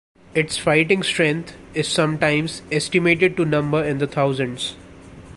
Its fighting strength is "sometimes estimated to number in the thousands".